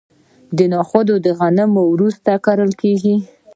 نخود د غنمو وروسته کرل کیږي.